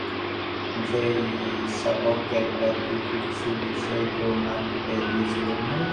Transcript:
যেই শাবককে একবার তুই খুঁজছিলি, সে তোর নাক কেটে দিয়েছিল।